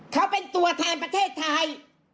เขาเป็นตัวแทนประเทศไทย